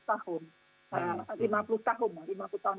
lima puluh tahun lima puluh tahun